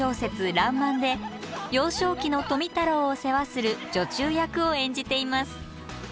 「らんまん」で幼少期の富太郎を世話する女中役を演じています。